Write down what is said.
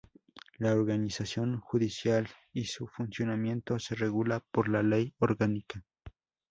La organización judicial y su funcionamiento se regula por ley orgánica.